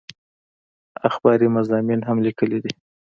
اخباري مضامين هم ليکلي دي